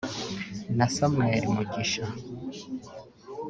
na Samuel Mugisha